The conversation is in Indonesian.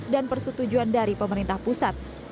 dan persetujuan dari pemerintah pusat